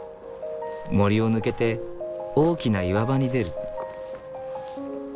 森を抜けて大きな岩場に出る。